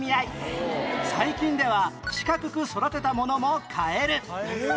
「最近では四角く育てたものも買える」